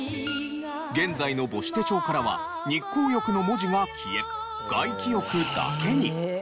現在の母子手帳からは日光浴の文字が消え外気浴だけに。